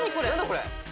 これ。